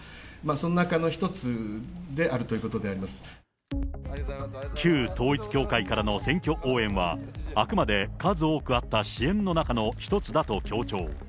その中の一つであるということで旧統一教会からの選挙応援は、あくまで数多くあった支援の中の一つだと強調。